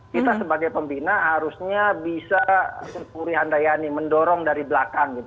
kita sebagai pembina harusnya bisa mendorong dari belakang